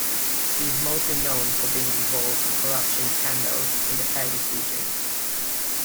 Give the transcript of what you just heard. She is mostly known for being involved in corruption scandals in the Paris region.